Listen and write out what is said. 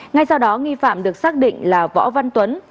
ngay sau đó nghi phạm được xác định là võ văn tuấn